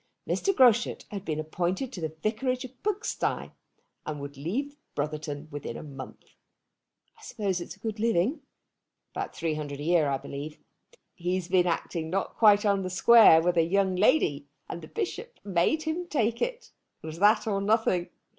Mr. Groschut had been appointed to the vicarage of Pugsty, and would leave Brotherton within a month. "I suppose it's a good living." "About £300 a year, I believe. He's been acting not quite on the square with a young lady, and the Bishop made him take it. It was that or nothing."